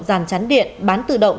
giàn chắn điện bán tự động